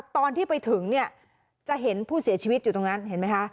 ตอนที่ไปถึงเนี่ยจะเห็นผู้เสียชีวิตอยู่ตรงนั้นเห็นไหมคะ